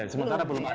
oh belum belum ada